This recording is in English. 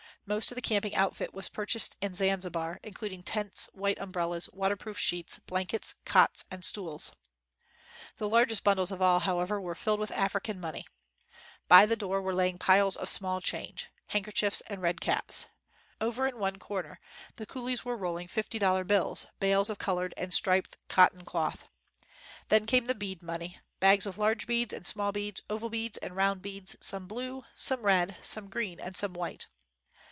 Most of the camping outfit was purchased in Zanzibar, including tents, white umbrellas, waterproof sheets, blankets, cots, and stools. The largest bundles of all, however, were filled with African money. By the door were lying piles of small change — handkerchiefs 33 WHITE MAN OF WORK and red caps. Over in one corner, the cool ies were rolling $50 bills — bales of colored and striped cotton cloth. Then came the bead money — bags of large beads and small beads, oval beads and round beads, some blue, some red, some green, and some white.